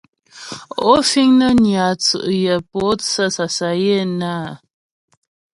Ó fíŋ nə́ nyà tsʉ́' yə mpótsə́ sasayə́ hə́ ?